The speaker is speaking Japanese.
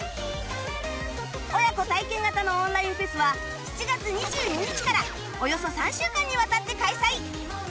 親子体験型のオンラインフェスは７月２２日からおよそ３週間にわたって開催